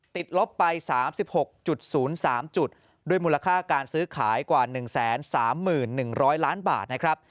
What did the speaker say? ลบไป๓๖๐๓จุดด้วยมูลค่าการซื้อขายกว่า๑๓๑๐๐ล้านบาทนะครับ